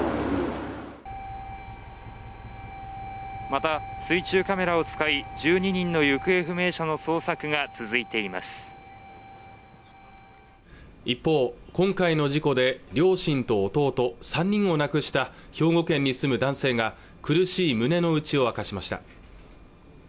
また水中カメラを使い１２人の行方不明者の捜索が続いています一方今回の事故で両親と弟３人を亡くした兵庫県に住む男性が苦しい胸の内を明かしました